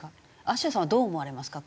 あしやさんはどう思われますか？